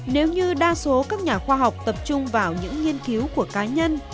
nếu như đa số các nhà khoa học tập trung vào những nghiên cứu của cá nhân